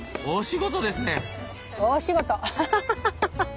大仕事。